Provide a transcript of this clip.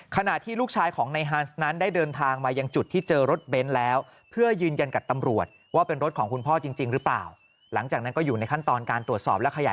ขณะที่ลูกชายของนายฮันซ์นั้นได้เดินทางมายังจุดที่เจอรถเบนซ์แล้ว